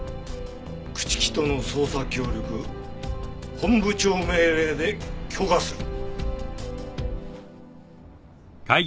朽木との捜査協力本部長命令で許可する。